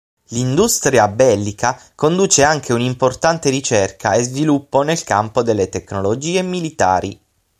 L'industria bellica conduce anche un'importante ricerca e sviluppo nel campo delle tecnologie militari.